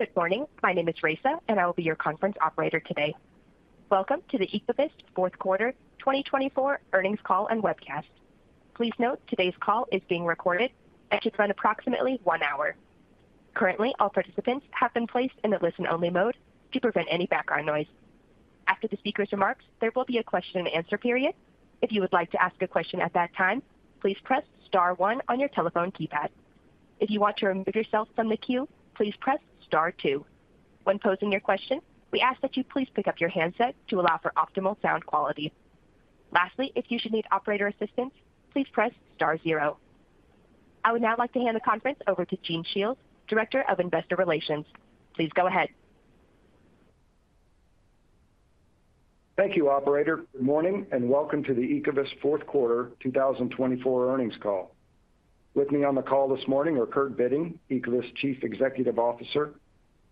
Good morning. My name is Raisa, and I will be your conference operator today. Welcome to the Ecovyst fourth quarter 2024 earnings call and webcast. Please note today's call is being recorded and should run approximately one hour. Currently, all participants have been placed in the listen-only mode to prevent any background noise. After the speaker's remarks, there will be a question-and-answer period. If you would like to ask a question at that time, please press star one on your telephone keypad. If you want to remove yourself from the queue, please press star two. When posing your question, we ask that you please pick up your handset to allow for optimal sound quality. Lastly, if you should need operator assistance, please press star zero. I would now like to hand the conference over to Gene Shiels, Director of Investor Relations. Please go ahead. Thank you, Operator. Good morning and welcome to the Ecovyst fourth quarter 2024 earnings call. With me on the call this morning are Kurt Bitting, Ecovyst Chief Executive Officer,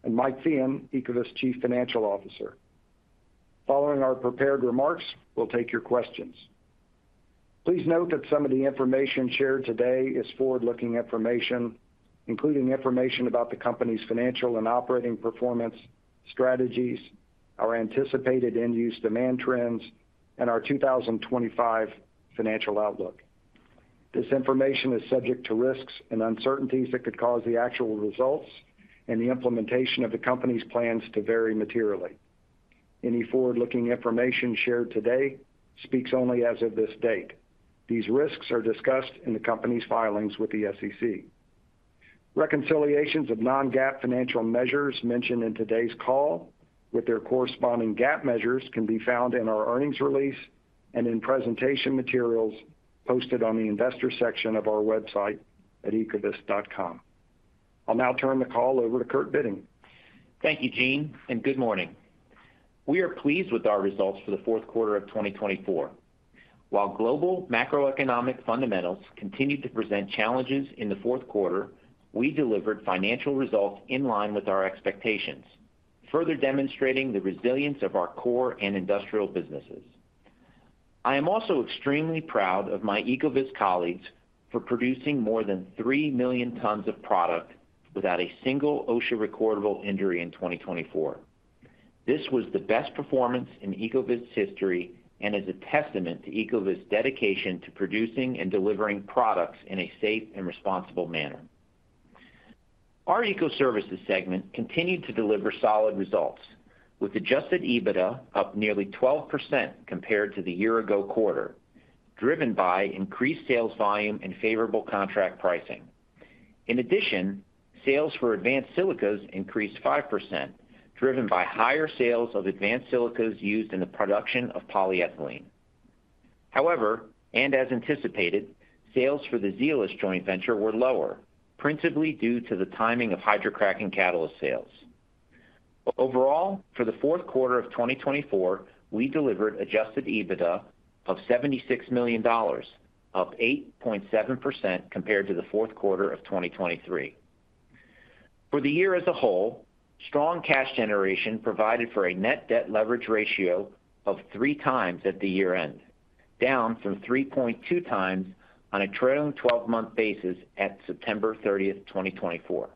and Mike Feehan, Ecovyst Chief Financial Officer. Following our prepared remarks, we'll take your questions. Please note that some of the information shared today is forward-looking information, including information about the company's financial and operating performance, strategies, our anticipated end-use demand trends, and our 2025 financial outlook. This information is subject to risks and uncertainties that could cause the actual results and the implementation of the company's plans to vary materially. Any forward-looking information shared today speaks only as of this date. These risks are discussed in the company's filings with the SEC. Reconciliations of non-GAAP financial measures mentioned in today's call with their corresponding GAAP measures can be found in our earnings release and in presentation materials posted on the investor section of our website at ecovyst.com. I'll now turn the call over to Kurt Bitting. Thank you, Gene, and good morning. We are pleased with our results for the fourth quarter of 2024. While global macroeconomic fundamentals continued to present challenges in the fourth quarter, we delivered financial results in line with our expectations, further demonstrating the resilience of our core and industrial businesses. I am also extremely proud of my Ecovyst colleagues for producing more than three million tons of product without a single OSHA recordable injury in 2024. This was the best performance in Ecovyst's history and is a testament to Ecovyst's dedication to producing and delivering products in a safe and responsible manner. Our Ecoservices segment continued to deliver solid results, with Adjusted EBITDA up nearly 12% compared to the year-ago quarter, driven by increased sales volume and favorable contract pricing. In addition, sales for Advanced Silicas increased 5%, driven by higher sales of Advanced Silicas used in the production of polyethylene. However, and as anticipated, sales for the Zeolyst joint venture were lower, principally due to the timing of hydrocracking catalyst sales. Overall, for the fourth quarter of 2024, we delivered Adjusted EBITDA of $76 million, up 8.7% compared to the fourth quarter of 2023. For the year as a whole, strong cash generation provided for a net debt leverage ratio of 3x at the year-end, down from 3.2x on a trailing 12-month basis at September 30th, 2024.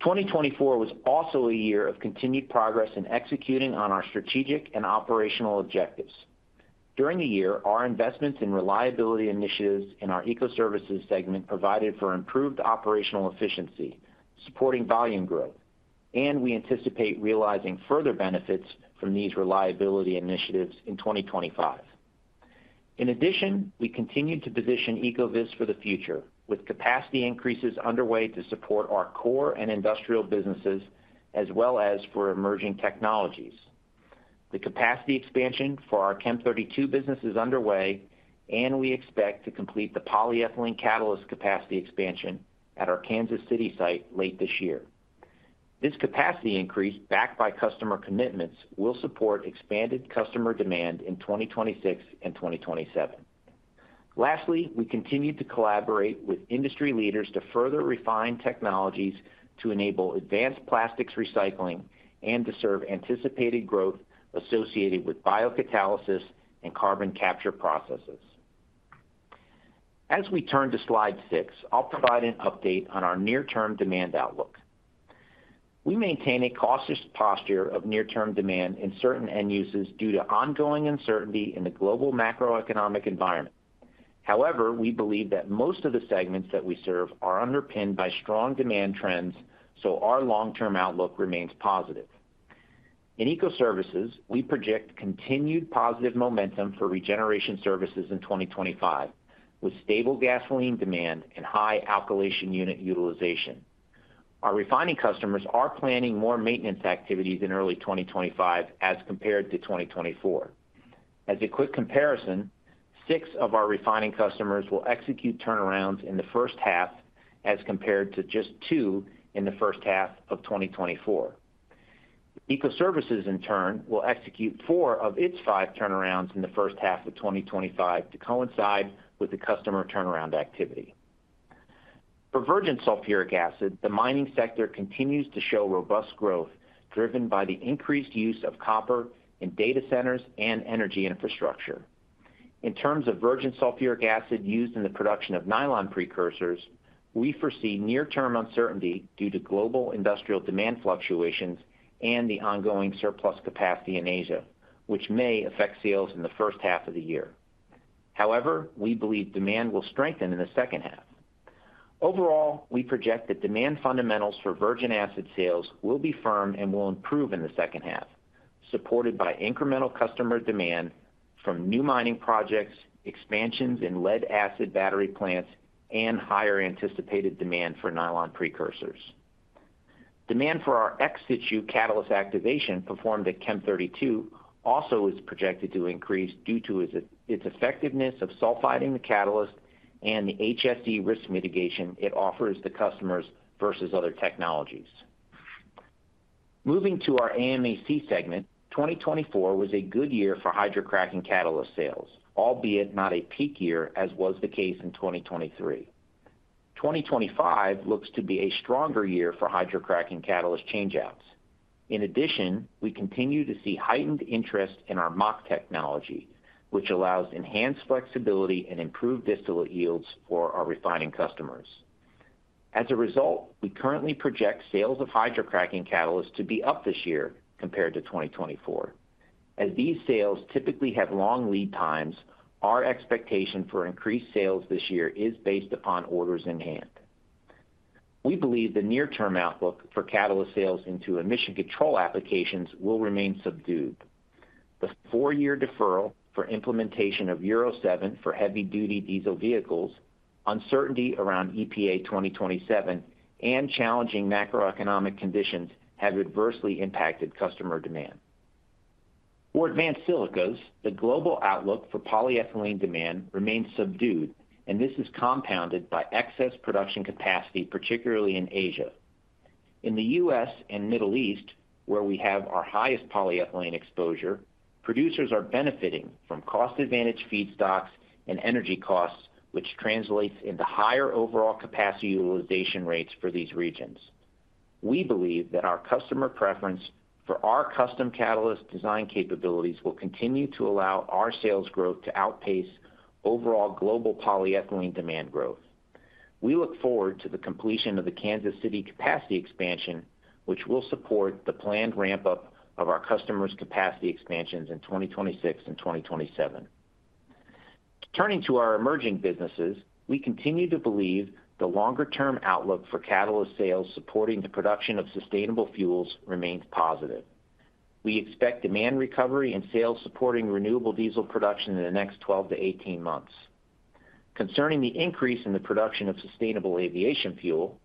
2024 was also a year of continued progress in executing on our strategic and operational objectives. During the year, our investments in reliability initiatives in our Ecoservices segment provided for improved operational efficiency, supporting volume growth, and we anticipate realizing further benefits from these reliability initiatives in 2025. In addition, we continue to position Ecovyst for the future, with capacity increases underway to support our core and industrial businesses, as well as for emerging technologies. The capacity expansion for our Chem32 business is underway, and we expect to complete the polyethylene catalyst capacity expansion at our Kansas City site late this year. This capacity increase, backed by customer commitments, will support expanded customer demand in 2026 and 2027. Lastly, we continue to collaborate with industry leaders to further refine technologies to enable advanced plastics recycling and to serve anticipated growth associated with biocatalysis and carbon capture processes. As we turn to slide six, I'll provide an update on our near-term demand outlook. We maintain a cautious posture of near-term demand in certain end uses due to ongoing uncertainty in the global macroeconomic environment. However, we believe that most of the segments that we serve are underpinned by strong demand trends, so our long-term outlook remains positive. In Ecoservices, we project continued positive momentum for regeneration services in 2025, with stable gasoline demand and high alkylation unit utilization. Our refining customers are planning more maintenance activities in early 2025 as compared to 2024. As a quick comparison, six of our refining customers will execute turnarounds in the first half as compared to just two in the first half of 2024. Ecoservices, in turn, will execute four of its five turnarounds in the first half of 2025 to coincide with the customer turnaround activity. For virgin sulfuric acid, the mining sector continues to show robust growth driven by the increased use of copper in data centers and energy infrastructure. In terms of virgin sulfuric acid used in the production of nylon precursors, we foresee near-term uncertainty due to global industrial demand fluctuations and the ongoing surplus capacity in Asia, which may affect sales in the first half of the year. However, we believe demand will strengthen in the second half. Overall, we project that demand fundamentals for virgin acid sales will be firm and will improve in the second half, supported by incremental customer demand from new mining projects, expansions in lead-acid battery plants, and higher anticipated demand for nylon precursors. Demand for our ex-situ catalyst activation performed at Chem32 also is projected to increase due to its effectiveness of sulfiding the catalyst and the HSE risk mitigation it offers the customers versus other technologies. Moving to our AM&C segment, 2024 was a good year for hydrocracking catalyst sales, albeit not a peak year as was the case in 2023. 2025 looks to be a stronger year for hydrocracking catalyst changeouts. In addition, we continue to see heightened interest in our MHC technology, which allows enhanced flexibility and improved distillate yields for our refining customers. As a result, we currently project sales of hydrocracking catalyst to be up this year compared to 2024. As these sales typically have long lead times, our expectation for increased sales this year is based upon orders in hand. We believe the near-term outlook for catalyst sales into emission control applications will remain subdued. The four-year deferral for implementation of Euro 7 for heavy-duty diesel vehicles, uncertainty around EPA 2027, and challenging macroeconomic conditions have adversely impacted customer demand. For Advanced Silicas, the global outlook for polyethylene demand remains subdued, and this is compounded by excess production capacity, particularly in Asia. In the U.S. and Middle East, where we have our highest polyethylene exposure, producers are benefiting from cost-advantage feedstocks and energy costs, which translates into higher overall capacity utilization rates for these regions. We believe that our customer preference for our custom catalyst design capabilities will continue to allow our sales growth to outpace overall global polyethylene demand growth. We look forward to the completion of the Kansas City capacity expansion, which will support the planned ramp-up of our customers' capacity expansions in 2026 and 2027. Turning to our emerging businesses, we continue to believe the longer-term outlook for catalyst sales supporting the production of sustainable fuels remains positive. We expect demand recovery and sales supporting renewable diesel production in the next 12-18 months. Concerning the increase in the production of sustainable aviation fuel,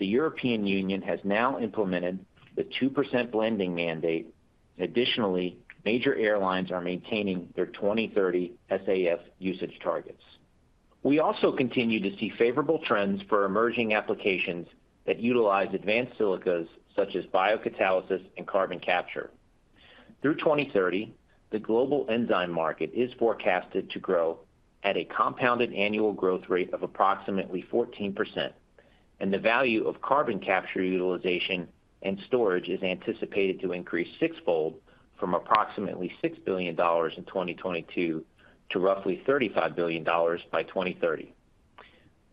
the European Union has now implemented the 2% blending mandate. Additionally, major airlines are maintaining their 2030 SAF usage targets. We also continue to see favorable trends for emerging applications that utilize Advanced Silicas such as biocatalysis and carbon capture. Through 2030, the global enzyme market is forecasted to grow at a compounded annual growth rate of approximately 14%, and the value of carbon capture utilization and storage is anticipated to increase sixfold from approximately $6 billion in 2022 to roughly $35 billion by 2030.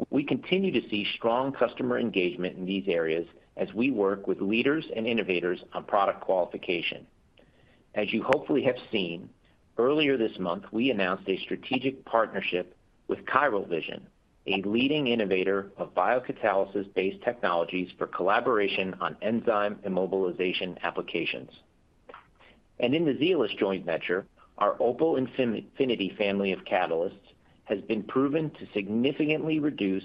We continue to see strong customer engagement in these areas as we work with leaders and innovators on product qualification. As you hopefully have seen, earlier this month, we announced a strategic partnership with ChiralVision, a leading innovator of biocatalysis-based technologies for collaboration on enzyme immobilization applications. In the Zeolyst joint venture, our Opal Infinity family of catalysts has been proven to significantly reduce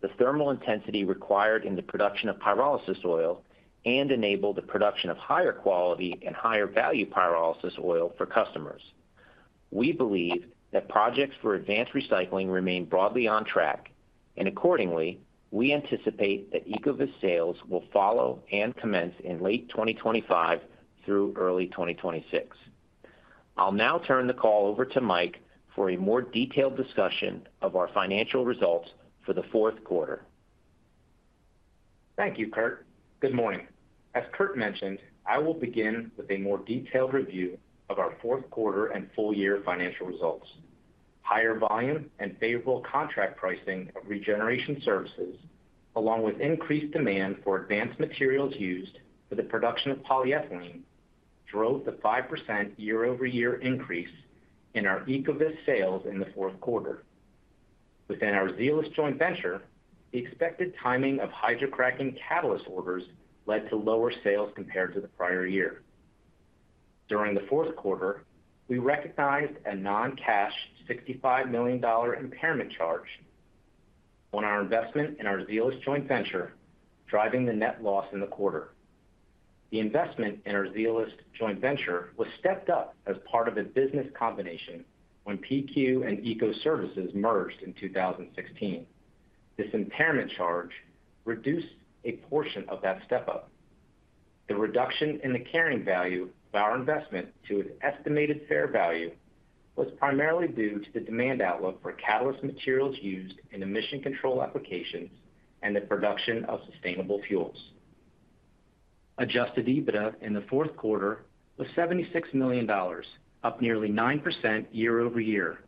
the thermal intensity required in the production of pyrolysis oil and enable the production of higher quality and higher value pyrolysis oil for customers. We believe that projects for advanced recycling remain broadly on track, and accordingly, we anticipate that Ecovyst sales will follow and commence in late 2025 through early 2026. I'll now turn the call over to Mike for a more detailed discussion of our financial results for the fourth quarter. Thank you, Kurt. Good morning. As Kurt mentioned, I will begin with a more detailed review of our fourth quarter and full-year financial results. Higher volume and favorable contract pricing of regeneration services, along with increased demand for advanced materials used for the production of polyethylene, drove the 5% year-over-year increase in our Ecovyst sales in the fourth quarter. Within our Zeolyst joint venture, the expected timing of hydrocracking catalyst orders led to lower sales compared to the prior year. During the fourth quarter, we recognized a non-cash $65 million impairment charge on our investment in our Zeolyst joint venture, driving the net loss in the quarter. The investment in our Zeolyst joint venture was stepped up as part of a business combination when PQ and Ecoservices merged in 2016. This impairment charge reduced a portion of that step-up. The reduction in the carrying value of our investment to its estimated fair value was primarily due to the demand outlook for catalyst materials used in emission control applications and the production of sustainable fuels. Adjusted EBITDA in the fourth quarter was $76 million, up nearly 9% year-over-year,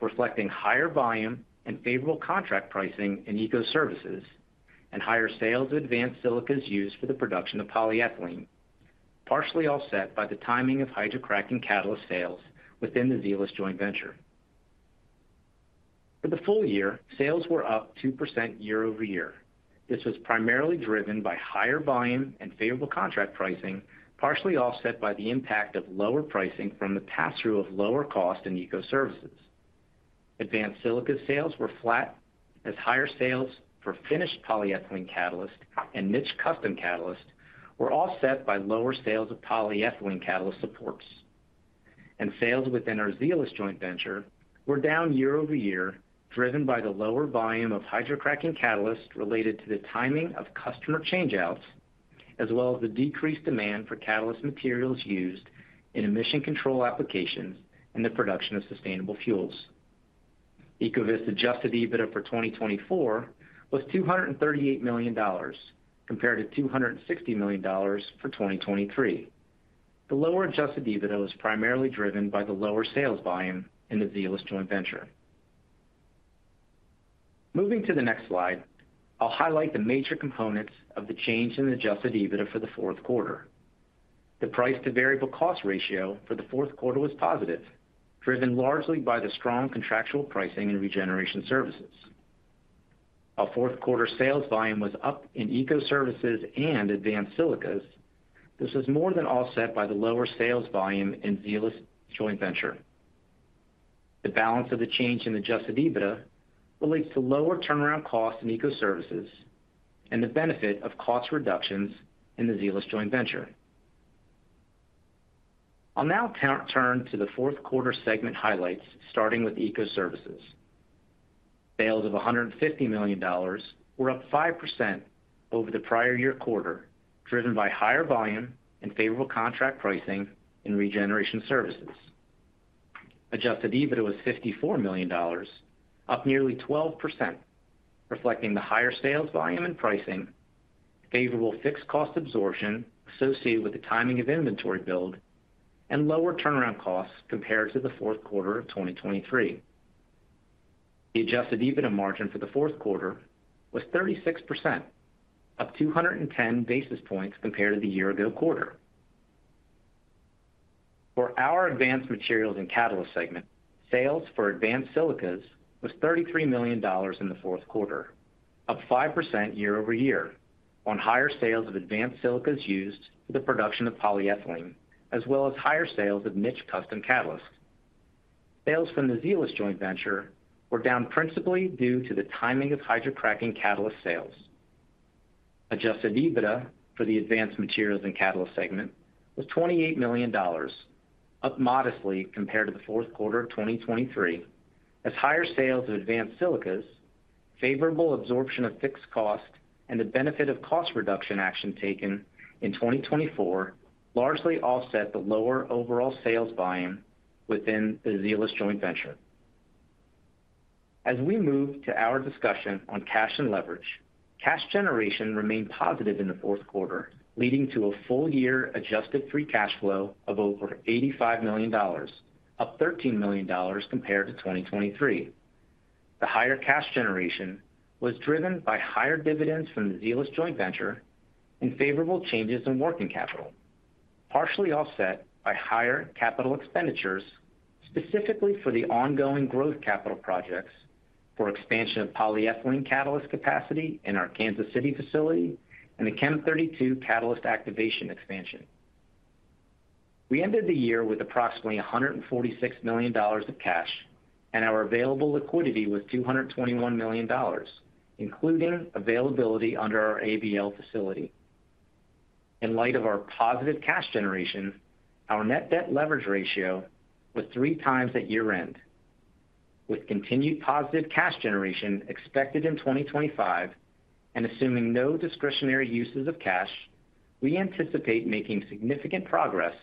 reflecting higher volume and favorable contract pricing in Ecoservices and higher sales of Advanced Silicas used for the production of polyethylene, partially offset by the timing of hydrocracking catalyst sales within the Zeolyst joint venture. For the full year, sales were up 2% year-over-year. This was primarily driven by higher volume and favorable contract pricing, partially offset by the impact of lower pricing from the pass-through of lower cost in Ecoservices. Advanced silica sales were flat, as higher sales for finished polyethylene catalyst and niche custom catalyst were offset by lower sales of polyethylene catalyst supports. Sales within our Zeolyst joint venture were down year-over-year, driven by the lower volume of hydrocracking catalyst related to the timing of customer changeouts, as well as the decreased demand for catalyst materials used in emission control applications and the production of sustainable fuels. Ecovyst's Adjusted EBITDA for 2024 was $238 million compared to $260 million for 2023. The lower Adjusted EBITDA was primarily driven by the lower sales volume in the Zeolyst joint venture. Moving to the next slide, I'll highlight the major components of the change in the Adjusted EBITDA for the fourth quarter. The price-to-variable cost ratio for the fourth quarter was positive, driven largely by the strong contractual pricing in regeneration services. While fourth quarter sales volume was up in Ecoservices and Advanced Silicas, this was more than offset by the lower sales volume in Zeolyst joint venture. The balance of the change in the Adjusted EBITDA relates to lower turnaround costs in Ecoservices and the benefit of cost reductions in the Zeolyst joint venture. I'll now turn to the fourth quarter segment highlights, starting with Ecoservices. Sales of $150 million were up 5% over the prior year quarter, driven by higher volume and favorable contract pricing in regeneration services. Adjusted EBITDA was $54 million, up nearly 12%, reflecting the higher sales volume and pricing, favorable fixed cost absorption associated with the timing of inventory build, and lower turnaround costs compared to the fourth quarter of 2023. The Adjusted EBITDA margin for the fourth quarter was 36%, up 210 basis points compared to the year-ago quarter. For our Advanced Materials & Catalysts segment, sales for Advanced Silicas was $33 million in the fourth quarter, up 5% year-over-year on higher sales of Advanced Silicas used for the production of polyethylene, as well as higher sales of niche custom catalyst. Sales from the Zeolyst joint venture were down principally due to the timing of hydrocracking catalyst sales. Adjusted EBITDA for the Advanced Materials & Catalysts segment was $28 million, up modestly compared to the fourth quarter of 2023, as higher sales of Advanced Silicas, favorable absorption of fixed cost, and the benefit of cost reduction action taken in 2024 largely offset the lower overall sales volume within the Zeolyst joint venture. As we move to our discussion on cash and leverage, cash generation remained positive in the fourth quarter, leading to a full-year adjusted free cash flow of over $85 million, up $13 million compared to 2023. The higher cash generation was driven by higher dividends from the Zeolyst joint venture and favorable changes in working capital, partially offset by higher capital expenditures, specifically for the ongoing growth capital projects for expansion of polyethylene catalyst capacity in our Kansas City facility and the Chem32 catalyst activation expansion. We ended the year with approximately $146 million of cash, and our available liquidity was $221 million, including availability under our ABL facility. In light of our positive cash generation, our net debt leverage ratio was three times at year-end. With continued positive cash generation expected in 2025 and assuming no discretionary uses of cash, we anticipate making significant progress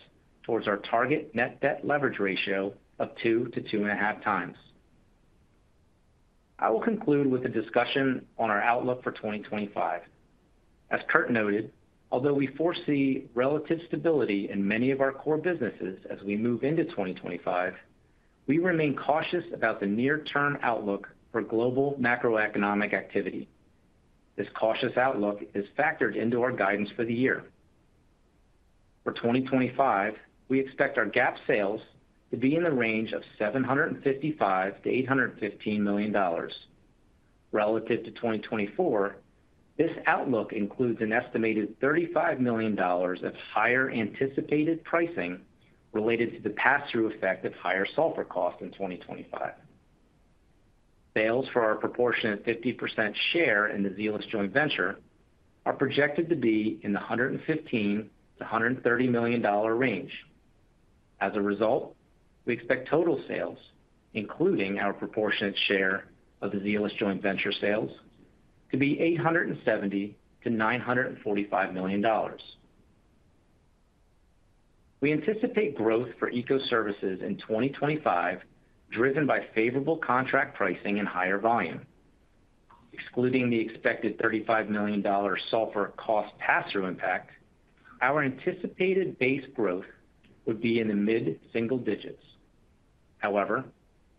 towards our target net debt leverage ratio of 2x-2.5x. I will conclude with a discussion on our outlook for 2025. As Kurt noted, although we foresee relative stability in many of our core businesses as we move into 2025, we remain cautious about the near-term outlook for global macroeconomic activity. This cautious outlook is factored into our guidance for the year. For 2025, we expect our GAAP sales to be in the range of $755 million-$815 million. Relative to 2024, this outlook includes an estimated $35 million of higher anticipated pricing related to the pass-through effect of higher sulfur cost in 2025. Sales for our proportionate 50% share in the Zeolyst joint venture are projected to be in the $115 million-$130 million range. As a result, we expect total sales, including our proportionate share of the Zeolyst joint venture sales, to be $870 million-$945 million. We anticipate growth for Ecoservices in 2025, driven by favorable contract pricing and higher volume. Excluding the expected $35 million sulfur cost pass-through impact, our anticipated base growth would be in the mid-single digits. However,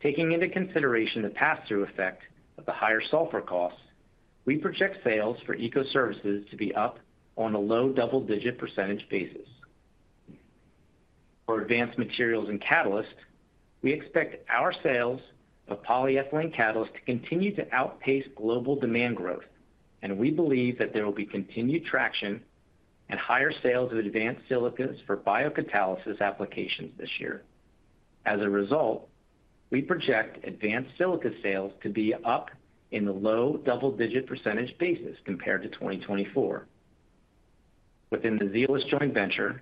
taking into consideration the pass-through effect of the higher sulfur cost, we project sales for Ecoservices to be up on a low double-digit percentage basis. For Advanced Materials & Catalysts, we expect our sales of polyethylene catalyst to continue to outpace global demand growth, and we believe that there will be continued traction and higher sales of Advanced Silicas for biocatalysis applications this year. As a result, we project advanced silica sales to be up in the low double-digit percentage basis compared to 2024. Within the Zeolyst joint venture,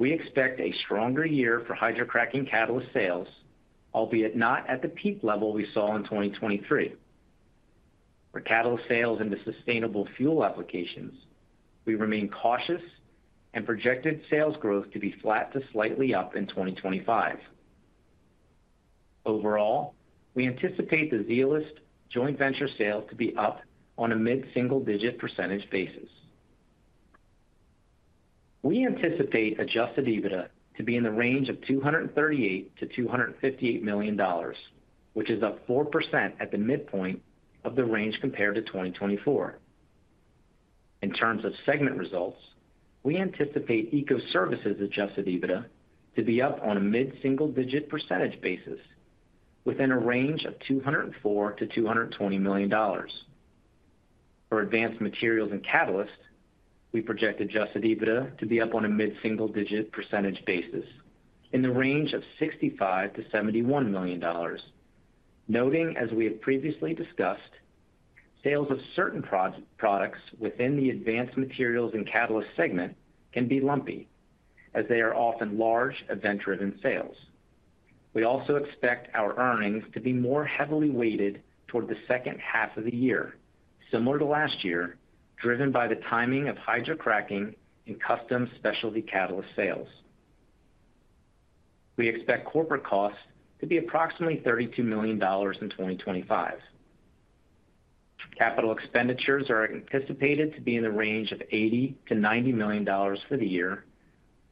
we expect a stronger year for hydrocracking catalyst sales, albeit not at the peak level we saw in 2023. For catalyst sales into sustainable fuel applications, we remain cautious and projected sales growth to be flat to slightly up in 2025. Overall, we anticipate the Zeolyst joint venture sales to be up on a mid-single-digit percentage basis. We anticipate Adjusted EBITDA to be in the range of $238 million-$258 million, which is up 4% at the midpoint of the range compared to 2024. In terms of segment results, we anticipate Ecoservices' Adjusted EBITDA to be up on a mid-single-digit percentage basis within a range of $204 million-$220 million. For Advanced Materials & Catalysts, we project Adjusted EBITDA to be up on a mid-single-digit percentage basis in the range of $65 million-$71 million. Noting, as we have previously discussed, sales of certain products within the Advanced Materials & Catalysts segment can be lumpy, as they are often large event-driven sales. We also expect our earnings to be more heavily-weighted toward the second half of the year, similar to last year, driven by the timing of hydrocracking and custom specialty catalyst sales. We expect corporate costs to be approximately $32 million in 2025. Capital expenditures are anticipated to be in the range of $80 million-$90 million for the year,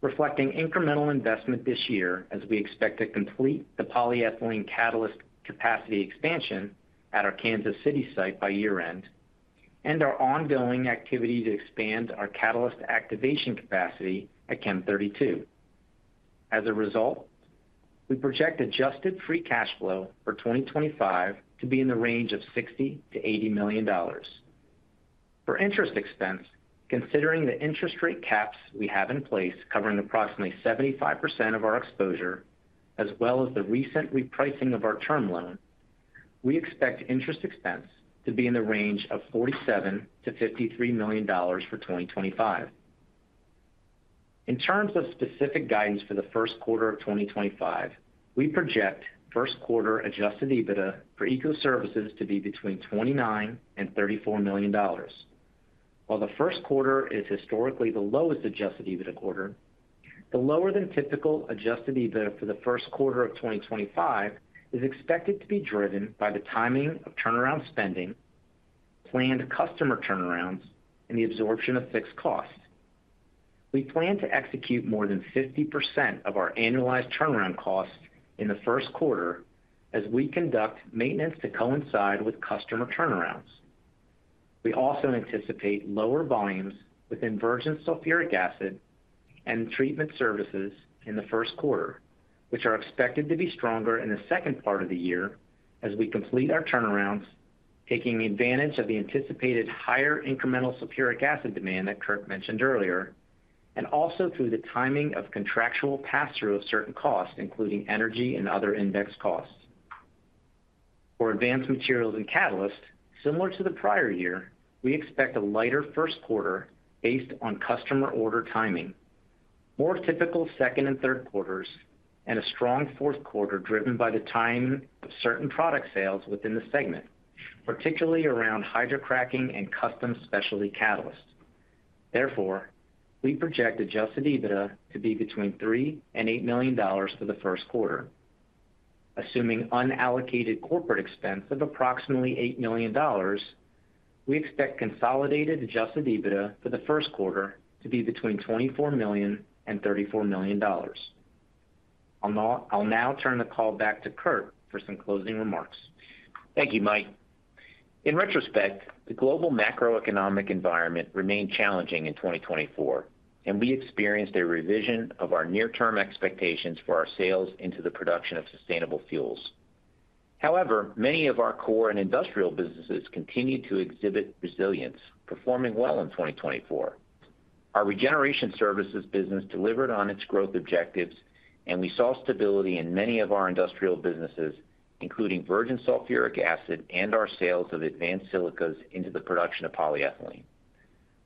reflecting incremental investment this year, as we expect to complete the polyethylene catalyst capacity expansion at our Kansas City site by year-end and our ongoing activity to expand our catalyst activation capacity at Chem32. As a result, we project adjusted free cash flow for 2025 to be in the range of $60 million-$80 million. For interest expense, considering the interest rate caps we have in place covering approximately 75% of our exposure, as well as the recent repricing of our term loan, we expect interest expense to be in the range of $47 million-$53 million for 2025. In terms of specific guidance for the first quarter of 2025, we project first quarter Adjusted EBITDA for Ecoservices to be between $29 million and $34 million. While the first quarter is historically the lowest Adjusted EBITDA quarter, the lower than typical Adjusted EBITDA for the first quarter of 2025 is expected to be driven by the timing of turnaround spending, planned customer turnarounds, and the absorption of fixed costs. We plan to execute more than 50% of our annualized turnaround costs in the first quarter, as we conduct maintenance to coincide with customer turnarounds. We also anticipate lower volumes within virgin sulfuric acid and treatment services in the first quarter, which are expected to be stronger in the second part of the year as we complete our turnarounds, taking advantage of the anticipated higher incremental sulfuric acid demand that Kurt mentioned earlier, and also through the timing of contractual pass-through of certain costs, including energy and other index costs. For Advanced Materials & Catalysts, similar to the prior year, we expect a lighter first quarter based on customer order timing, more typical second and third quarters, and a strong fourth quarter driven by the timing of certain product sales within the segment, particularly around hydrocracking and custom specialty catalyst. Therefore, we project Adjusted EBITDA to be between $3 million and $8 million for the first quarter. Assuming unallocated corporate expense of approximately $8 million, we expect consolidated Adjusted EBITDA for the first quarter to be between $24 million and $34 million. I'll now turn the call back to Kurt for some closing remarks. Thank you, Mike. In retrospect, the global macroeconomic environment remained challenging in 2024, and we experienced a revision of our near-term expectations for our sales into the production of sustainable fuels. However, many of our core and industrial businesses continued to exhibit resilience, performing well in 2024. Our regeneration services business delivered on its growth objectives, and we saw stability in many of our industrial businesses, including virgin sulfuric acid and our sales of Advanced Silicas into the production of polyethylene.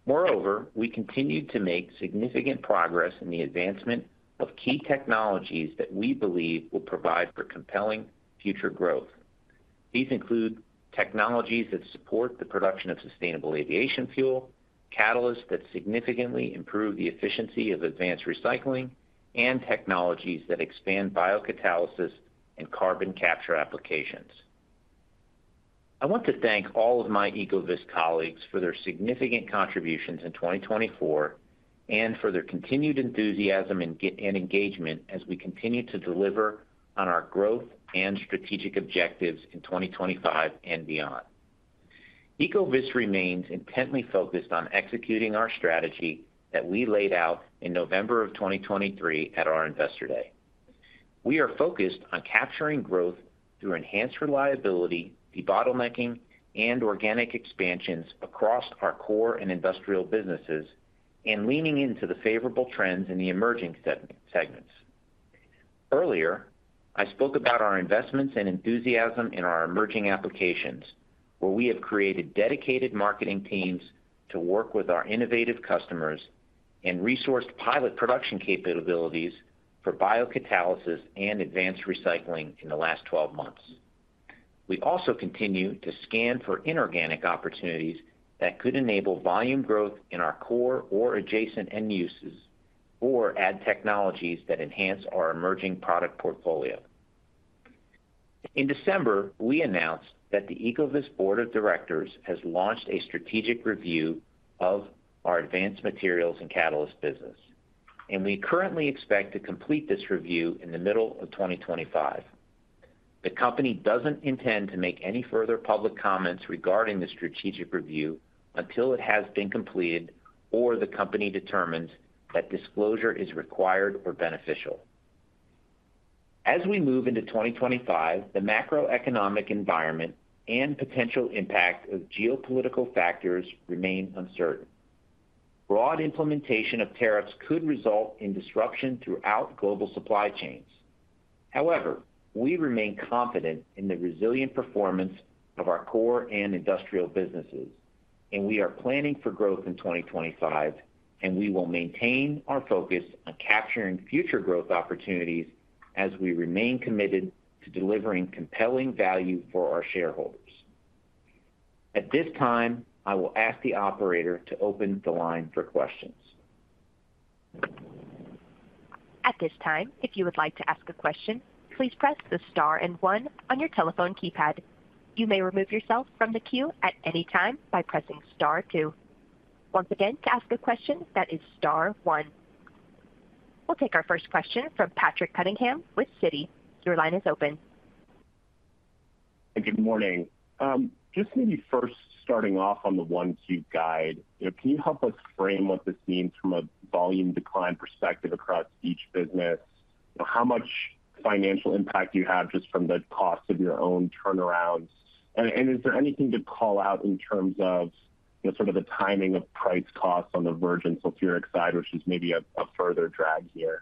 Moreover, we continued to make significant progress in the advancement of key technologies that we believe will provide for compelling future growth. These include technologies that support the production of sustainable aviation fuel, catalysts that significantly improve the efficiency of advanced recycling, and technologies that expand biocatalysis and carbon capture applications. I want to thank all of my Ecovyst colleagues for their significant contributions in 2024 and for their continued enthusiasm and engagement as we continue to deliver on our growth and strategic objectives in 2025 and beyond. Ecovyst remains intently focused on executing our strategy that we laid out in November of 2023 at our investor day. We are focused on capturing growth through enhanced reliability, debottlenecking, and organic expansions across our core and industrial businesses and leaning into the favorable trends in the emerging segments. Earlier, I spoke about our investments and enthusiasm in our emerging applications, where we have created dedicated marketing teams to work with our innovative customers and resourced pilot production capabilities for biocatalysis and advanced recycling in the last 12 months. We also continue to scan for inorganic opportunities that could enable volume growth in our core or adjacent end uses or add technologies that enhance our emerging product portfolio. In December, we announced that the Ecovyst Board of Directors has launched a strategic review of our Advanced Materials & Catalysts business, and we currently expect to complete this review in the middle of 2025. The company doesn't intend to make any further public comments regarding the strategic review until it has been completed or the company determines that disclosure is required or beneficial. As we move into 2025, the macroeconomic environment and potential impact of geopolitical factors remain uncertain. Broad implementation of tariffs could result in disruption throughout global supply chains. However, we remain confident in the resilient performance of our core and industrial businesses, and we are planning for growth in 2025, and we will maintain our focus on capturing future growth opportunities as we remain committed to delivering compelling value for our shareholders. At this time, I will ask the operator to open the line for questions. At this time, if you would like to ask a question, please press the star and one on your telephone keypad. You may remove yourself from the queue at any time by pressing star two. Once again, to ask a question, that is star one. We'll take our first question from Patrick Cunningham with Citi. Your line is open. Good morning. Just maybe first starting off on the Q1 guide, can you help us frame what this means from a volume decline perspective across each business? How much financial impact do you have just from the cost of your own turnarounds? And is there anything to call out in terms of sort of the timing of price costs on the virgin sulfuric side, which is maybe a further drag here?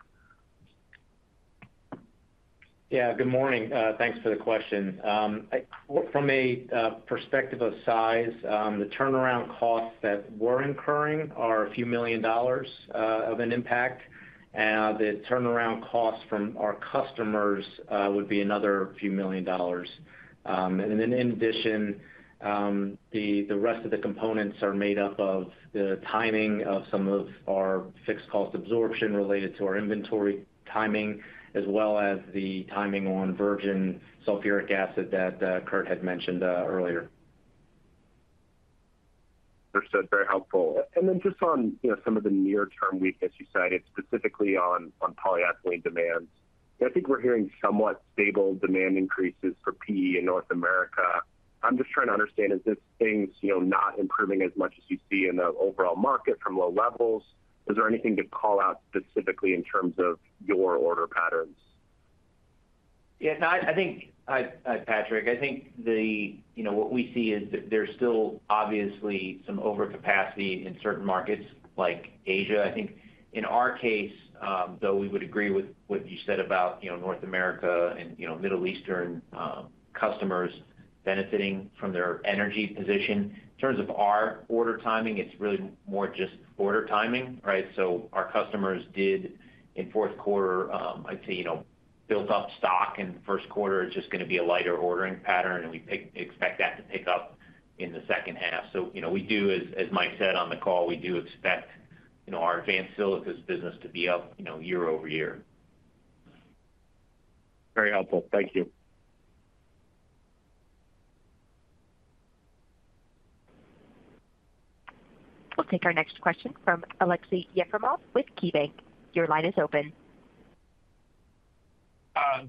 Yeah. Good morning. Thanks for the question. From a perspective of size, the turnaround costs that were incurring are a few million dollars of an impact. The turnaround costs from our customers would be another few million dollars. And then, in addition, the rest of the components are made up of the timing of some of our fixed cost absorption related to our inventory timing, as well as the timing on virgin sulfuric acid that Kurt had mentioned earlier. Understood. Very helpful, and then just on some of the near-term weakness you cited, specifically on polyethylene demands, I think we're hearing somewhat stable demand increases for PE in North America. I'm just trying to understand, is this thing not improving as much as you see in the overall market from low levels? Is there anything to call out specifically in terms of your order patterns? Yeah. No, I think, Patrick, I think what we see is there's still obviously some overcapacity in certain markets like Asia. I think in our case, though, we would agree with what you said about North America and Middle Eastern customers benefiting from their energy position. In terms of our order timing, it's really more just order timing, right? So our customers did, in fourth quarter, I'd say, build up stock, and first quarter is just going to be a lighter ordering pattern, and we expect that to pick up in the second half. So we do, as Mike said on the call, we do expect our advanced silica business to be up year over year. Very helpful. Thank you. We'll take our next question from Aleksey Yefremov with KeyBanc. Your line is open.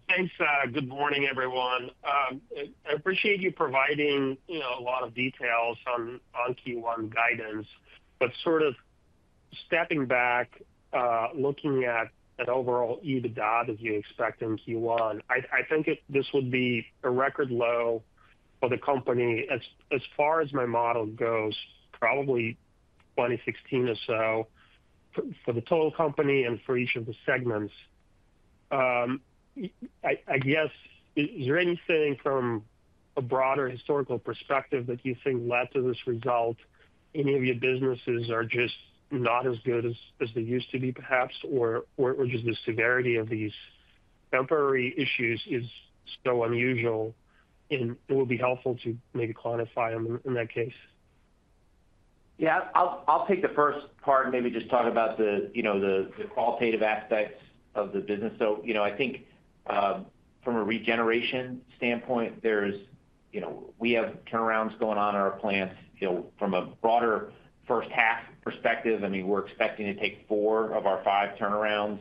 Thanks. Good morning, everyone. I appreciate you providing a lot of details on Q1 guidance, but sort of stepping back, looking at overall EBITDA, as you expect in Q1, I think this would be a record low for the company as far as my model goes, probably 2016 or so for the total company and for each of the segments. I guess, is there anything from a broader historical perspective that you think led to this result? Any of your businesses are just not as good as they used to be, perhaps, or just the severity of these temporary issues is so unusual, and it would be helpful to maybe quantify them in that case? Yeah. I'll take the first part and maybe just talk about the qualitative aspects of the business. So I think from a regeneration standpoint, we have turnarounds going on in our plants. From a broader first-half perspective, I mean, we're expecting to take four of our five turnarounds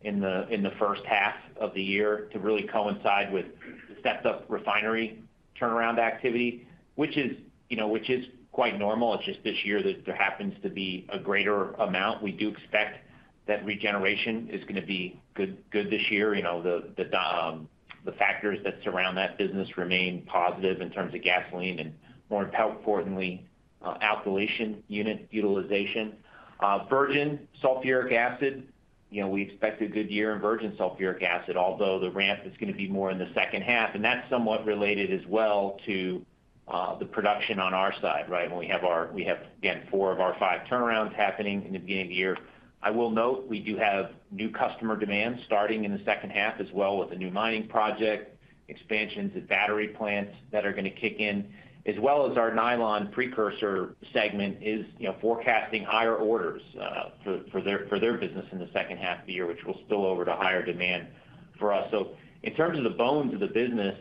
in the first half of the year to really coincide with the stepped-up refinery turnaround activity, which is quite normal. It's just this year that there happens to be a greater amount. We do expect that regeneration is going to be good this year. The factors that surround that business remain positive in terms of gasoline and more importantly, alkylation unit utilization. Virgin sulfuric acid, we expect a good year in virgin sulfuric acid, although the ramp is going to be more in the second half, and that's somewhat related as well to the production on our side, right? We have, again, four of our five turnarounds happening in the beginning of the year. I will note we do have new customer demand starting in the second half as well with a new mining project, expansions at battery plants that are going to kick in, as well as our nylon precursor segment is forecasting higher orders for their business in the second half of the year, which will spill over to higher demand for us, so in terms of the bones of the business,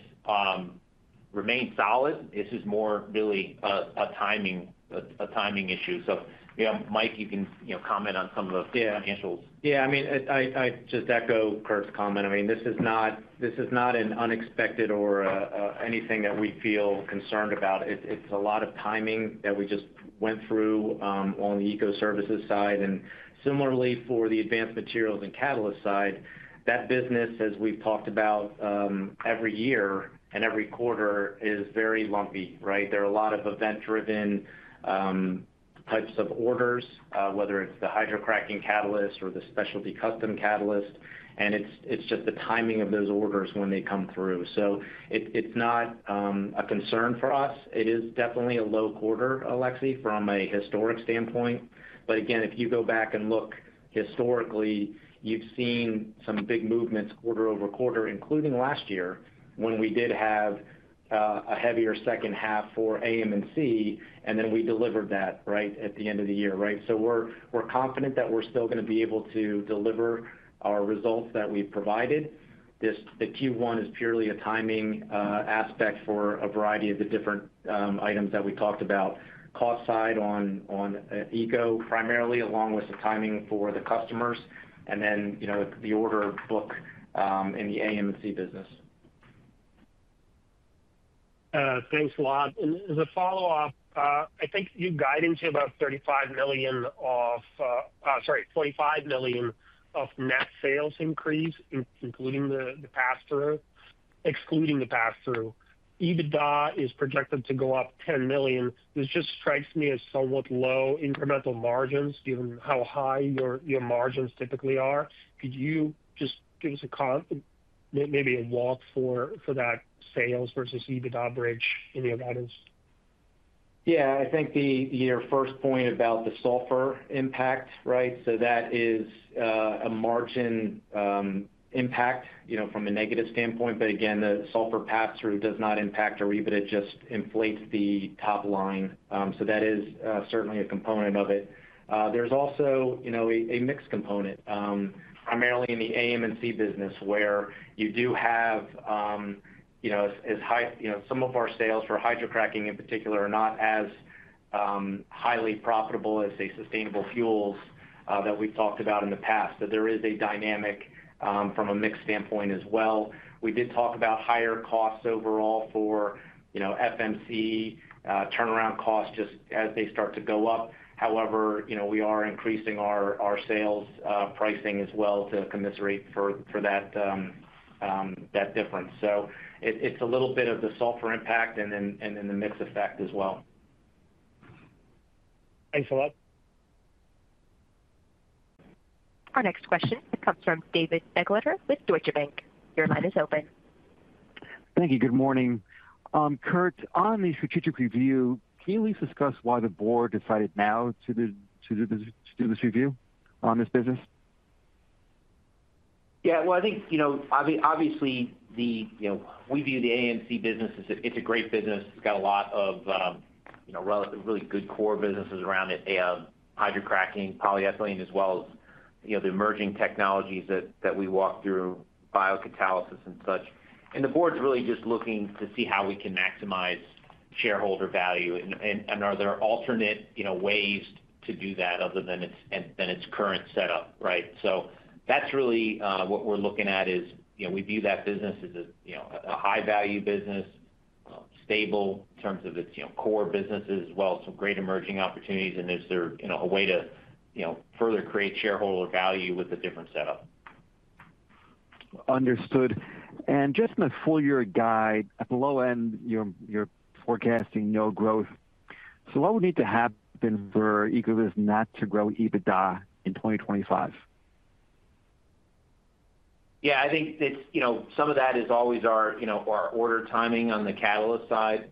remain solid. This is more really a timing issue. So Mike, you can comment on some of the financials. Yeah. I mean, I just echo Kurt's comment. I mean, this is not an unexpected or anything that we feel concerned about. It's a lot of timing that we just went through on the ecoservices side. And similarly, for the Advanced Materials & Catalysts side, that business, as we've talked about every year and every quarter, is very lumpy, right? There are a lot of event-driven types of orders, whether it's the hydrocracking catalyst or the specialty custom catalyst, and it's just the timing of those orders when they come through. So it's not a concern for us. It is definitely a low quarter, Aleksey, from a historic standpoint. But again, if you go back and look historically, you've seen some big movements quarter over quarter, including last year when we did have a heavier second half for AM&C, and then we delivered that right at the end of the year, right? So we're confident that we're still going to be able to deliver our results that we've provided. The Q1 is purely a timing aspect for a variety of the different items that we talked about: cost side on eco primarily, along with the timing for the customers, and then the order book in the AM&C business. Thanks a lot. And as a follow-up, I think you guided to about $35 million off, sorry, $45 million off net sales increase, including the pass-through, excluding the pass-through. EBITDA is projected to go up $10 million. This just strikes me as somewhat low incremental margins given how high your margins typically are. Could you just give us maybe a walk for that sales versus EBITDA bridge in your guidance? Yeah. I think your first point about the sulfur impact, right? So that is a margin impact from a negative standpoint. But again, the sulfur pass-through does not impact our EBITDA. It just inflates the top line. So that is certainly a component of it. There's also a mix component, primarily in the AM&C business, where you do have some of our sales for hydrocracking in particular are not as highly profitable as, say, sustainable fuels that we've talked about in the past. So there is a dynamic from a mix standpoint as well. We did talk about higher costs overall for FMC turnaround costs just as they start to go up. However, we are increasing our sales pricing as well to compensate for that difference. So it's a little bit of the sulfur impact and then the mix effect as well. Thanks a lot. Our next question comes from David Begleiter with Deutsche Bank. Your line is open. Thank you. Good morning. Kurt, on the strategic review, can you at least discuss why the board decided now to do this review on this business? Yeah. Well, I think, obviously, we view the AMC business as it's a great business. It's got a lot of really good core businesses around it: hydrocracking, polyethylene, as well as the emerging technologies that we walked through, biocatalysis and such. And the board's really just looking to see how we can maximize shareholder value, and are there alternate ways to do that other than its current setup, right? So that's really what we're looking at is we view that business as a high-value business, stable in terms of its core businesses, as well as some great emerging opportunities. And is there a way to further create shareholder value with a different setup? Understood. And just in a full year guide, at the low end, you're forecasting no growth. So what would need to happen for Ecovyst not to grow EBITDA in 2025? Yeah. I think some of that is always our order timing on the catalyst side.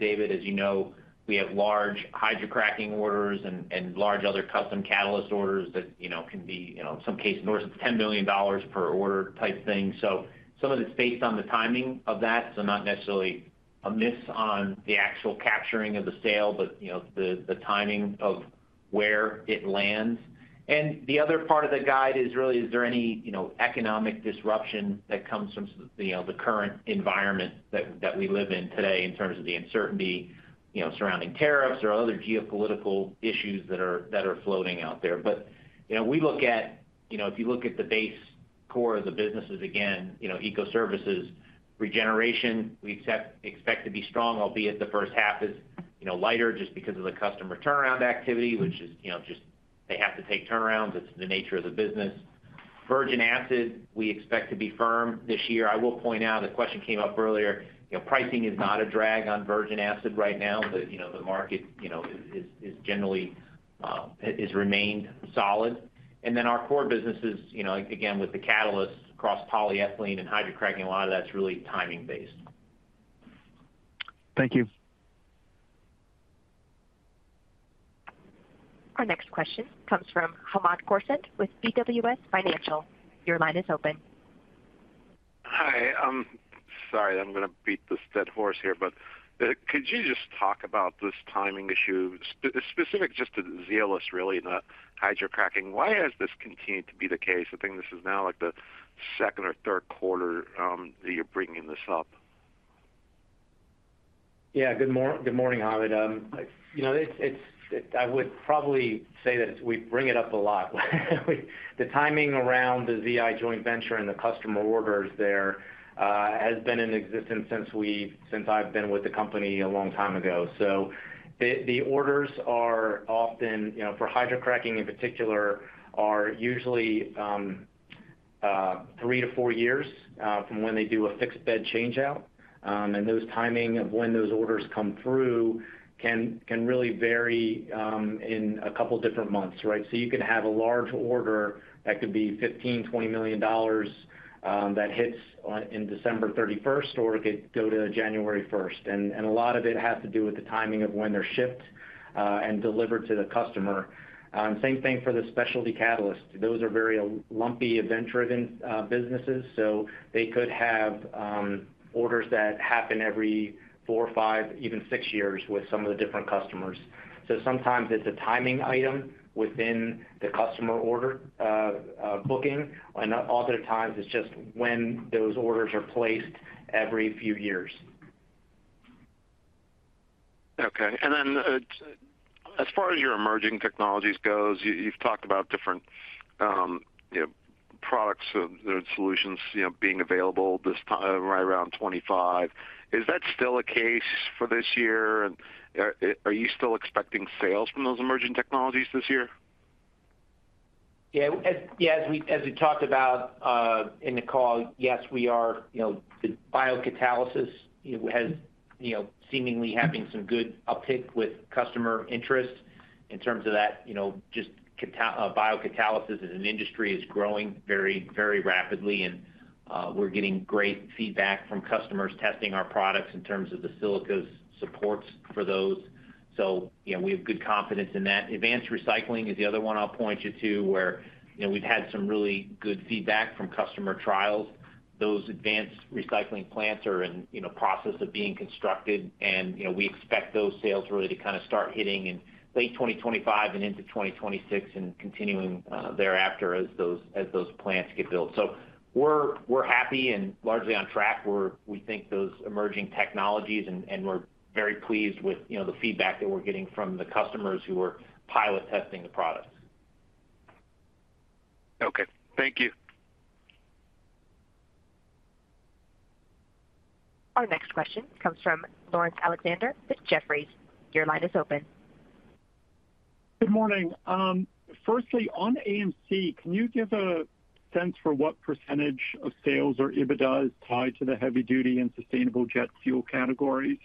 David, as you know, we have large hydrocracking orders and large other custom catalyst orders that can be, in some cases, north of $10 million per order type thing. So some of it's based on the timing of that, so not necessarily a miss on the actual capturing of the sale, but the timing of where it lands. And the other part of the guide is really, is there any economic disruption that comes from the current environment that we live in today in terms of the uncertainty surrounding tariffs or other geopolitical issues that are floating out there? But we look at, if you look at the base core of the businesses, again, Ecoservices, regeneration, we expect to be strong, albeit the first half is lighter just because of the customer turnaround activity, which is just they have to take turnarounds. It's the nature of the business. Virgin acid, we expect to be firm this year. I will point out, the question came up earlier, pricing is not a drag on virgin acid right now, but the market has remained solid. And then our core businesses, again, with the catalysts across polyethylene and hydrocracking, a lot of that's really timing-based. Thank you. Our next question comes from Hamed Khorsand with BWS Financial. Your line is open. Hi. Sorry, I'm going to beat the dead horse here, but could you just talk about this timing issue, specific just to Zeolyst, really, and the hydrocracking? Why has this continued to be the case? I think this is now the second or third quarter that you're bringing this up. Yeah. Good morning, Hamed. I would probably say that we bring it up a lot. The timing around the ZI joint venture and the customer orders there has been in existence since I've been with the company a long time ago. So the orders are often, for hydrocracking in particular, are usually three to four years from when they do a fixed bed changeout. And those timing of when those orders come through can really vary in a couple of different months, right? You can have a large order that could be $15 million-$20 million that hits on December 31st or it could go to January 1st. And a lot of it has to do with the timing of when they're shipped and delivered to the customer. Same thing for the specialty catalysts. Those are very lumpy, event-driven businesses. So they could have orders that happen every four, five, even six years with some of the different customers. So sometimes it's a timing item within the customer order booking, and other times it's just when those orders are placed every few years. Okay. And then as far as your emerging technologies goes, you've talked about different products and solutions being available right around 2025. Is that still a case for this year? And are you still expecting sales from those emerging technologies this year? Yeah. As we talked about in the call, yes, we're seeing the biocatalysis seemingly having some good uptick with customer interest in terms of that. Just biocatalysis as an industry is growing very rapidly, and we're getting great feedback from customers testing our products in terms of the silica supports for those. So we have good confidence in that. Advanced recycling is the other one I'll point you to where we've had some really good feedback from customer trials. Those advanced recycling plants are in the process of being constructed, and we expect those sales really to kind of start hitting in late 2025 and into 2026 and continuing thereafter as those plants get built. So we're happy and largely on track. We think those emerging technologies, and we're very pleased with the feedback that we're getting from the customers who are pilot testing the products. Okay. Thank you. Our next question comes from Laurence Alexander with Jefferies. Your line is open. Good morning. Firstly, on AMC, can you give a sense for what percentage of sales or EBITDA is tied to the heavy-duty and sustainable jet fuel categories?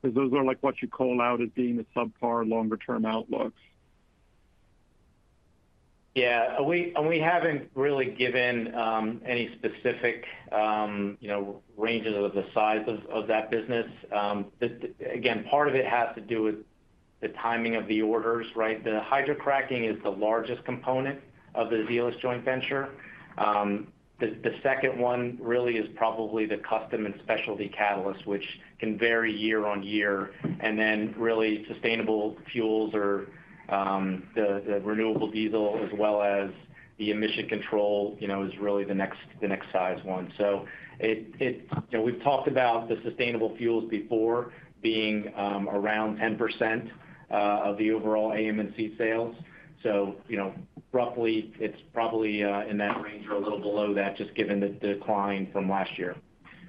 Because those are what you call out as being the subpar longer-term outlooks. Yeah. And we haven't really given any specific ranges of the size of that business. Again, part of it has to do with the timing of the orders, right? The hydrocracking is the largest component of the Zeolyst joint venture. The second one really is probably the custom and specialty catalysts, which can vary year on year. And then really sustainable fuels or the renewable diesel, as well as the emission control, is really the next size one. So we've talked about the sustainable fuels before being around 10% of the overall AM&C sales. Roughly, it's probably in that range or a little below that, just given the decline from last year.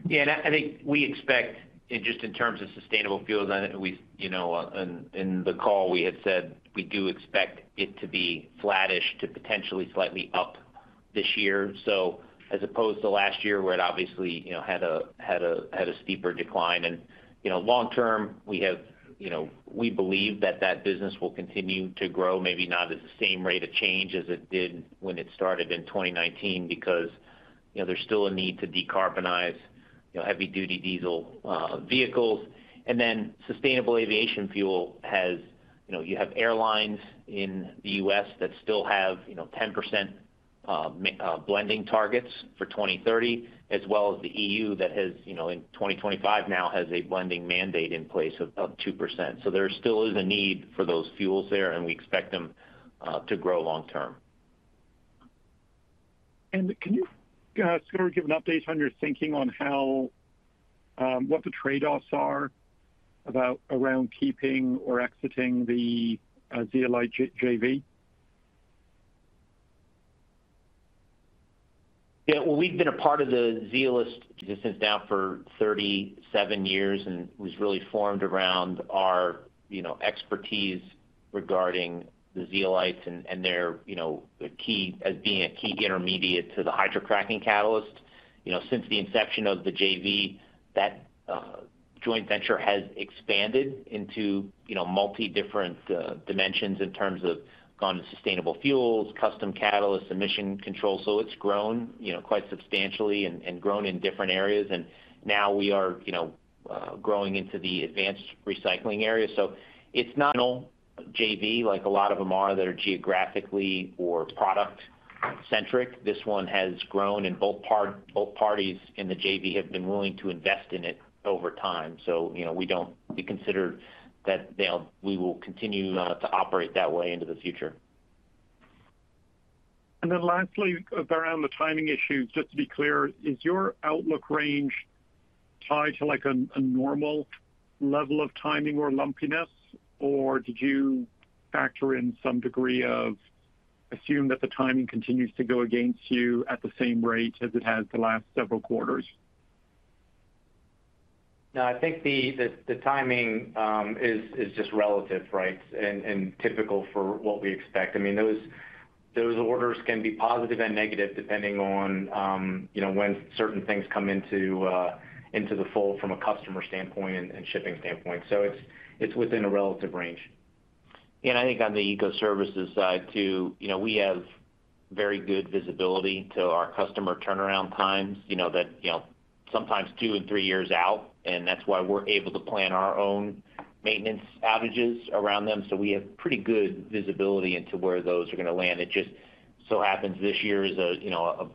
Yeah. I think we expect just in terms of sustainable fuels, I think in the call we had said we do expect it to be flattish to potentially slightly up this year. As opposed to last year where it obviously had a steeper decline. Long term, we believe that that business will continue to grow, maybe not at the same rate of change as it did when it started in 2019, because there's still a need to decarbonize heavy-duty diesel vehicles. Then sustainable aviation fuel has you have airlines in the U.S. that still have 10% blending targets for 2030, as well as the E.U. that has in 2025 now has a blending mandate in place of 2%. So there still is a need for those fuels there, and we expect them to grow long term. And can you sort of give an update on your thinking on what the trade-offs are around keeping or exiting the Zeolyst JV? Yeah. Well, we've been a part of the Zeolyst's existence now for 37 years and was really formed around our expertise regarding the zeolites and their key as being a key intermediate to the hydrocracking catalyst. Since the inception of the JV, that joint venture has expanded into multi-different dimensions in terms of gone to sustainable fuels, custom catalysts, emission control. So it's not JV like a lot of them are that are geographically or product-centric. This one has grown, and both parties in the JV have been willing to invest in it over time. So we consider that we will continue to operate that way into the future. And then lastly, around the timing issues, just to be clear, is your outlook range tied to a normal level of timing or lumpiness, or did you factor in some degree of assumption that the timing continues to go against you at the same rate as it has the last several quarters? No, I think the timing is just relative, right, and typical for what we expect. I mean, those orders can be positive and negative depending on when certain things come into the fold from a customer standpoint and shipping standpoint. So it's within a relative range. And I think on the Ecoservices side too, we have very good visibility to our customer turnaround times that sometimes two and three years out. And that's why we're able to plan our own maintenance outages around them. So we have pretty good visibility into where those are going to land. It just so happens this year is a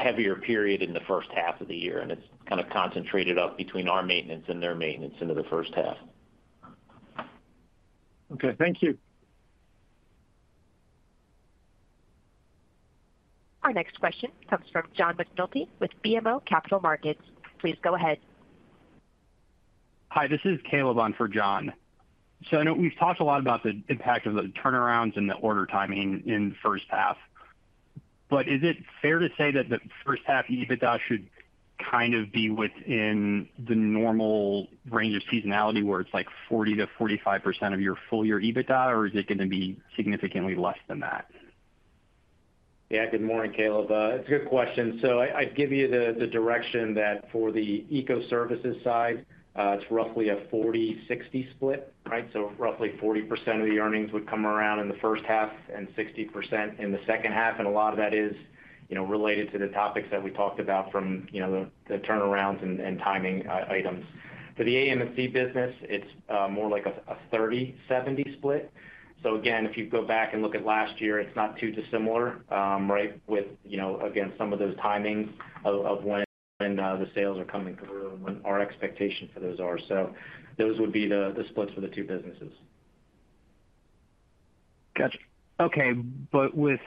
heavier period in the first half of the year, and it's kind of concentrated up between our maintenance and their maintenance into the first half. Okay. Thank you. Our next question comes from John McNulty with BMO Capital Markets. Please go ahead. Hi. This is Caleb for John. So I know we've talked a lot about the impact of the turnarounds and the order timing in the first half. But is it fair to say that the first half EBITDA should kind of be within the normal range of seasonality where it's like 40%-45% of your full year EBITDA, or is it going to be significantly less than that? Yeah. Good morning, Caleb. It's a good question. So I'd give you the direction that for the Ecoservices side, it's roughly a 40/60 split, right? So roughly 40% of the earnings would come around in the first half and 60% in the second half. And a lot of that is related to the topics that we talked about from the turnarounds and timing items. For the AM&C business, it's more like a 30/70 split. So again, if you go back and look at last year, it's not too dissimilar, right, with, again, some of those timings of when the sales are coming through and what our expectation for those are. So those would be the splits for the two businesses. Gotcha. Okay. But with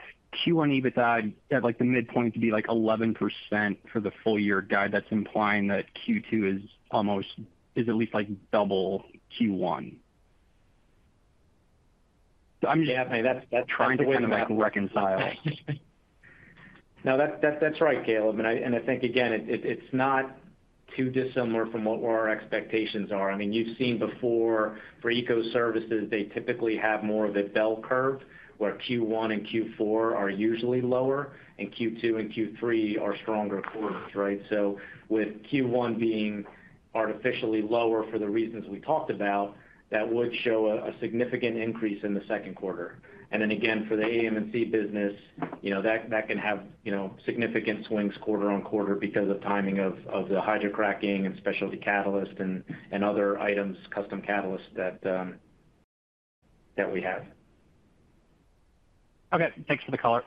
Q1 EBITDA, I'd like the midpoint to be like 11% for the full year guide. That's implying that Q2 is at least like double Q1. So I'm just trying to kind of reconcile. No, that's right, Caleb. And I think, again, it's not too dissimilar from what our expectations are. I mean, you've seen before for Ecoservices, they typically have more of a bell curve where Q1 and Q4 are usually lower and Q2 and Q3 are stronger quarters, right? So with Q1 being artificially lower for the reasons we talked about, that would show a significant increase in the second quarter. And then again, for the AM&C business, that can have significant swings quarter on quarter because of timing of the hydrocracking and specialty catalyst and other items, custom catalysts that we have. Okay. Thanks for the call.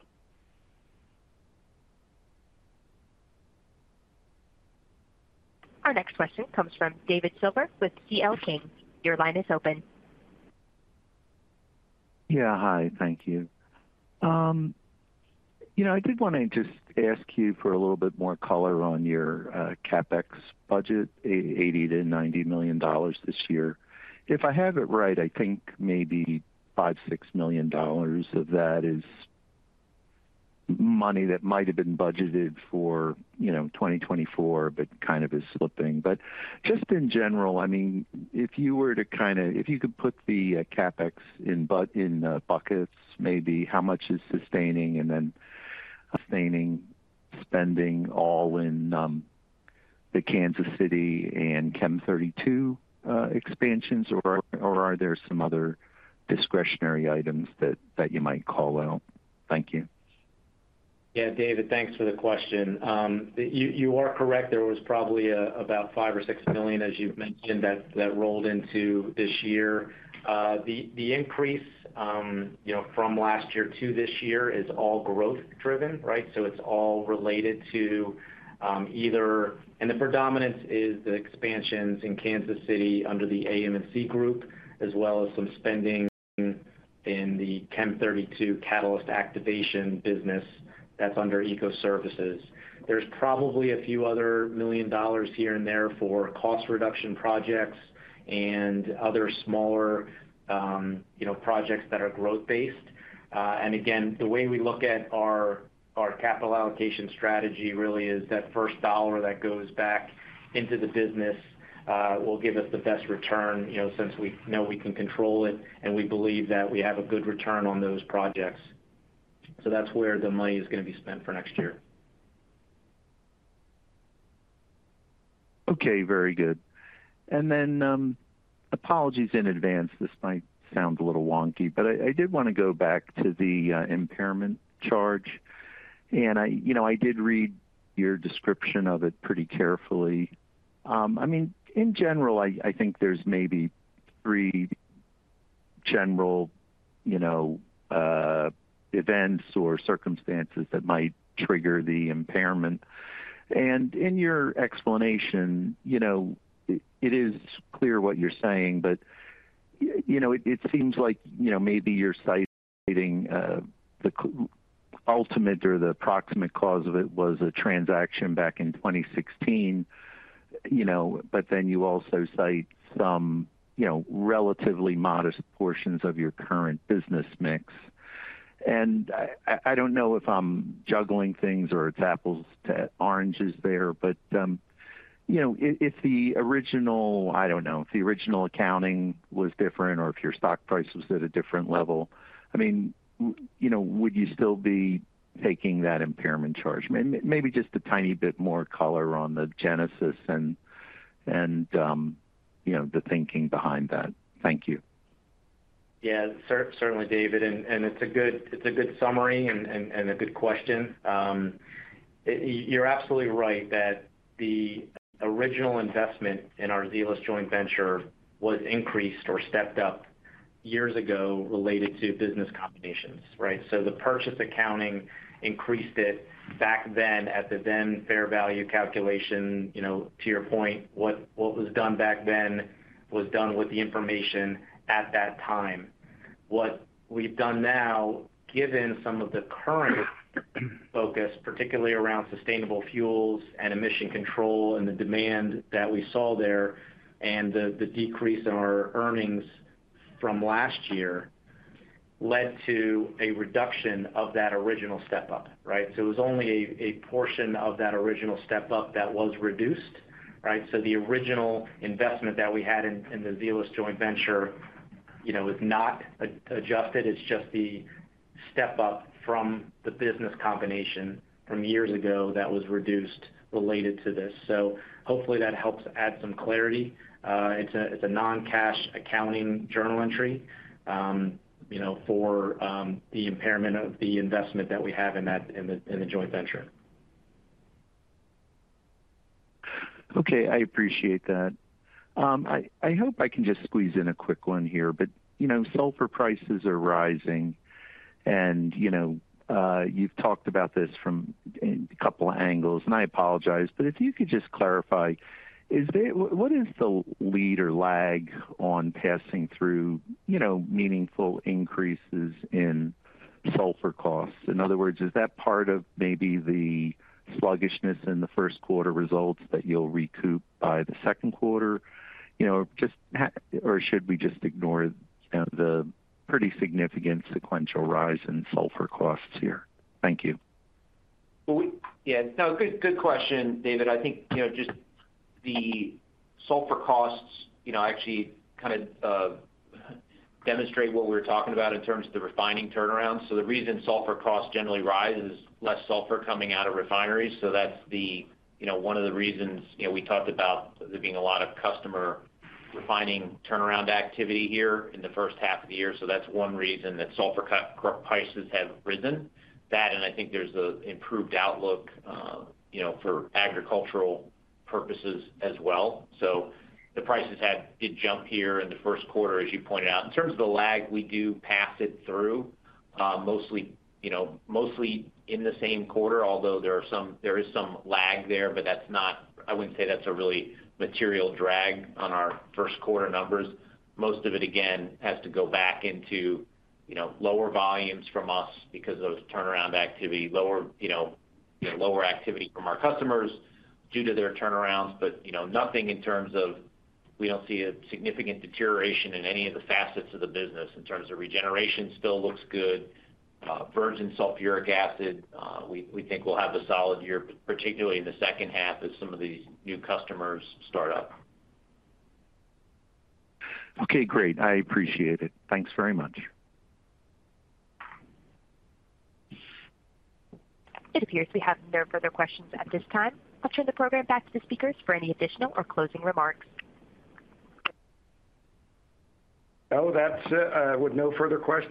Our next question comes from David Silver with CL King. Your line is open. Yeah. Hi. Thank you. I did want to just ask you for a little bit more color on your CapEx budget, $80 million-$90 million this year. If I have it right, I think maybe $5 million-$6 million of that is money that might have been budgeted for 2024, but kind of is slipping. But just in general, I mean, if you were to kind of if you could put the CapEx in buckets, maybe how much is sustaining, and then sustaining spending all in the Kansas City and Chem32 expansions, or are there some other discretionary items that you might call out? Thank you. Yeah. David, thanks for the question. You are correct. There was probably about $5 million or $6 million, as you've mentioned, that rolled into this year. The increase from last year to this year is all growth-driven, right? So it's all related to either, and the predominance is the expansions in Kansas City under the AM&C group, as well as some spending in the Chem32 catalyst activation business that's under Ecoservices. There's probably a few other million dollars here and there for cost reduction projects and other smaller projects that are growth-based. Again, the way we look at our capital allocation strategy really is that first dollar that goes back into the business will give us the best return since we know we can control it, and we believe that we have a good return on those projects. That's where the money is going to be spent for next year. Okay. Very good. Then apologies in advance. This might sound a little wonky, but I did want to go back to the impairment charge. I did read your description of it pretty carefully. I mean, in general, I think there's maybe three general events or circumstances that might trigger the impairment. And in your explanation, it is clear what you're saying, but it seems like maybe you're citing the ultimate or the proximate cause of it was a transaction back in 2016, but then you also cite some relatively modest portions of your current business mix. And I don't know if I'm juggling things or it's apples to oranges there, but I don't know if the original accounting was different or if your stock price was at a different level. I mean, would you still be taking that impairment charge? Maybe just a tiny bit more color on the genesis and the thinking behind that. Thank you. Yeah. Certainly, David. And it's a good summary and a good question. You're absolutely right that the original investment in our Zeolyst joint venture was increased or stepped up years ago related to business combinations, right? The purchase accounting increased it back then at the then fair value calculation. To your point, what was done back then was done with the information at that time. What we've done now, given some of the current focus, particularly around sustainable fuels and emission control and the demand that we saw there and the decrease in our earnings from last year, led to a reduction of that original step-up, right? So it was only a portion of that original step-up that was reduced, right? So the original investment that we had in the Zeolyst joint venture was not adjusted. It's just the step-up from the business combination from years ago that was reduced related to this. So hopefully that helps add some clarity. It's a non-cash accounting journal entry for the impairment of the investment that we have in the joint venture. Okay. I appreciate that. I hope I can just squeeze in a quick one here, but sulfur prices are rising, and you've talked about this from a couple of angles, and I apologize, but if you could just clarify, what is the lead or lag on passing through meaningful increases in sulfur costs? In other words, is that part of maybe the sluggishness in the first quarter results that you'll recoup by the second quarter, or should we just ignore the pretty significant sequential rise in sulfur costs here? Thank you. Yeah. No, good question, David. I think just the sulfur costs actually kind of demonstrate what we were talking about in terms of the refining turnaround. So the reason sulfur costs generally rise is less sulfur coming out of refineries. So that's one of the reasons we talked about there being a lot of customer refining turnaround activity here in the first half of the year. So that's one reason that sulfur prices have risen. That, and I think there's an improved outlook for agricultural purposes as well. So the prices did jump here in the first quarter, as you pointed out. In terms of the lag, we do pass it through mostly in the same quarter, although there is some lag there, but I wouldn't say that's a really material drag on our first quarter numbers. Most of it, again, has to go back into lower volumes from us because of turnaround activity, lower activity from our customers due to their turnarounds, but nothing in terms of we don't see a significant deterioration in any of the facets of the business. In terms of regeneration, still looks good. Virgin sulfuric acid, we think we'll have a solid year, particularly in the second half as some of these new customers start up. Okay. Great. I appreciate it. Thanks very much. It appears we have no further questions at this time. I'll turn the program back to the speakers for any additional or closing remarks. Oh, that's it. We have no further questions.